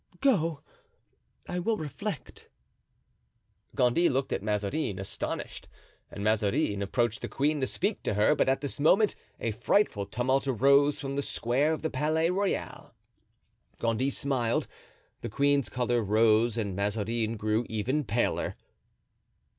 Go; I will reflect." Gondy looked at Mazarin, astonished, and Mazarin approached the queen to speak to her, but at this moment a frightful tumult arose from the square of the Palais Royal. Gondy smiled, the queen's color rose and Mazarin grew even paler.